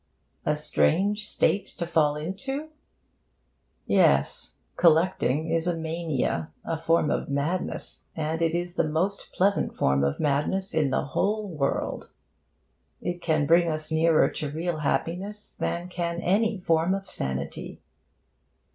A strange state to fall into? Yes, collecting is a mania, a form of madness. And it is the most pleasant form of madness in the whole world. It can bring us nearer to real happiness than can any form of sanity.